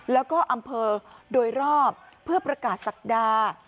แล้วก็อำเภอโดยรอบเพื่อประกาศศักดา